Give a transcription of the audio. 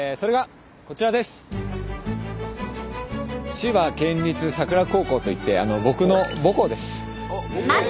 千葉県立佐倉高校といって僕の母校です。